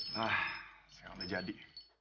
nah sekarang udah jadi